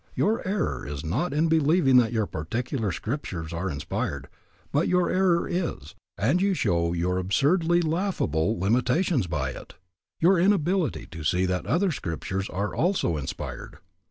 Your error is not in believing that your particular scriptures are inspired, but your error is and you show your absurdly laughable limitations by it your inability to see that other scriptures are also inspired.